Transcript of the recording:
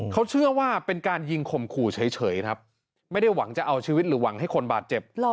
เขาเชื่อว่าเป็นการยิงข่มขู่เฉยครับไม่ได้หวังจะเอาชีวิตหรือหวังให้คนบาดเจ็บ